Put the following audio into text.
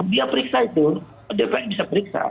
dia periksa itu dpr bisa periksa